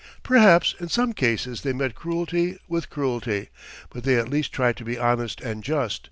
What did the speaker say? Perhaps in some cases they met cruelty with cruelty, but they at least tried to be honest and just.